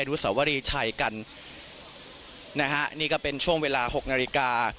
นุสวรีชัยกันนะฮะนี่ก็เป็นช่วงเวลาหกนาฬิกา